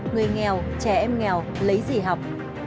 người nghèo trẻ em nghèo lấy gì học